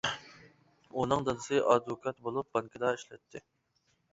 ئۇنىڭ دادىسى ئادۋوكات بولۇپ بانكىدا ئىشلەتتى.